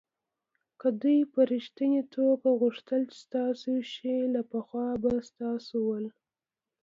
که دوی په ریښتني توگه غوښتل چې ستاسو شي له پخوا به ستاسو ول.